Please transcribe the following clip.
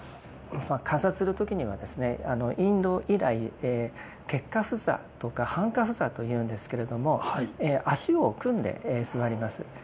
観察する時にはですねインド以来結跏趺坐とか半跏趺坐というんですけれども足を組んで座ります。